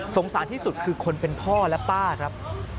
สารที่สุดคือคนเป็นพ่อและป้าครับ